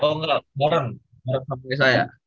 oh enggak bareng bareng sama yesaya